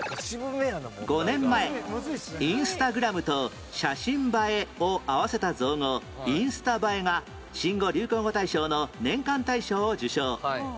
５年前インスタグラムと写真映えを合わせた造語「インスタ映え」が新語・流行語大賞の年間大賞を受賞